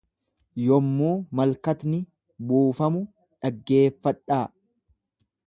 Yommuu malkatni buufamu dhaggeeffadhaa.